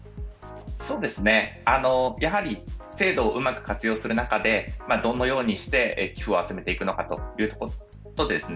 制度をうまく活用する中でどのようにして寄付を集めるのかというところですね。